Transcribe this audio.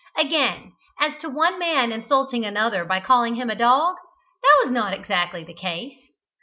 Again, as to one man insulting another by calling him a dog, that was not exactly the case.